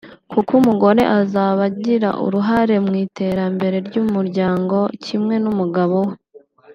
kuko umugore azaba agira uruhare mu iterambere ry’umuryango kimwe n’umugabo we“